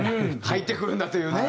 入ってくるんだというね。